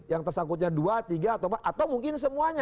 yang tersangkutnya dua tiga atau mungkin semuanya